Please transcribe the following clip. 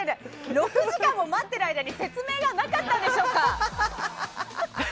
６時間も待っている間に説明がなかったんでしょうか？